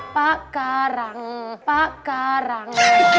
ปะการังปะการัง